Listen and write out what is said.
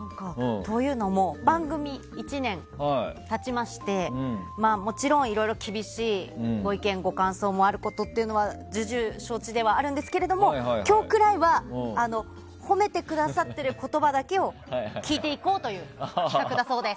番組１年経ちましてもちろんいろいろ厳しいご意見・ご感想もあることっていうのは重々承知ではあるんですけども今日くらいは褒めてくださっている言葉だけを聞いていこうという企画だそうです。